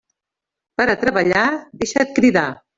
Per a treballar, deixa't cridar.